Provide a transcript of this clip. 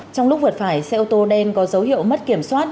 trong lúc vượt phải xe ô tô đen có dấu hiệu mất kiểm soát